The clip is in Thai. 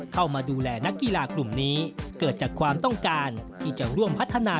เข้ามาดูแลนักกีฬากลุ่มนี้เกิดจากความต้องการที่จะร่วมพัฒนา